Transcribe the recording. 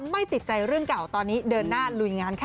ไม่ติดใจเรื่องเก่าตอนนี้เดินหน้าลุยงานค่ะ